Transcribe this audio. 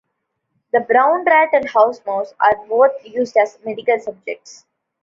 The brown rat and house mouse are both used as medical subjects.